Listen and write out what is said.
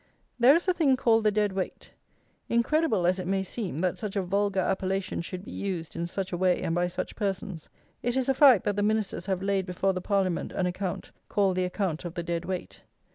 There is a thing called the Dead Weight. Incredible as it may seem, that such a vulgar appellation should be used in such a way and by such persons, it is a fact, that the Ministers have laid before the Parliament an account, called the account of the Dead Weight.